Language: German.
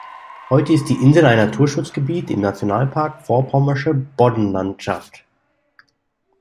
Heute ist die Insel ein Naturschutzgebiet im Nationalpark Vorpommersche Boddenlandschaft.